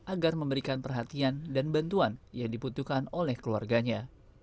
agar memberikan perhatian dan bantuan yang dibutuhkan oleh keluarganya